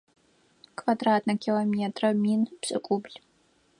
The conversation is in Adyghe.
Квадратнэ километрэ мин пшӏыкӏубл.